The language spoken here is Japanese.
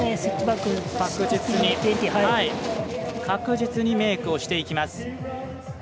確実にメークをしていきます。